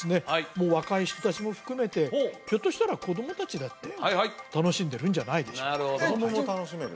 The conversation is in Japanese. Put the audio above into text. もう若い人達も含めてひょっとしたら子供達だって楽しんでるんじゃないでしょうか子供も楽しめる？